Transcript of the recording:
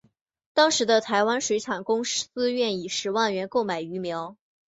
当时的台湾水产公司愿以十万元购买鱼苗。